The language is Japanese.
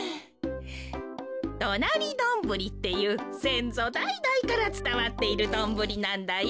どなりドンブリっていうせんぞだいだいからつたわっているドンブリなんだよ。